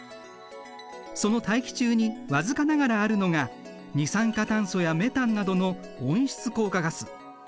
その大気中に僅かながらあるのが二酸化炭素やメタンなどの温室効果ガス。